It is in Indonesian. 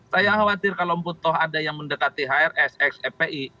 saya khawatir kalau putoh ada yang mendekati hrsi